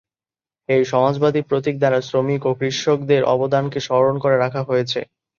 এই সমাজবাদী প্রতীক দ্বারা শ্রমিক ও কৃষকদের অবদানকে স্মরণ করে রাখা হয়েছে।